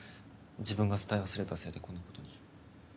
自分が伝え忘れたせいでこんなことに。